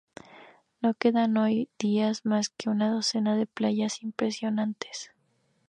No quedan hoy día más que una docena de playas impresiones.